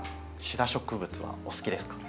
シダ植物はお好きですか？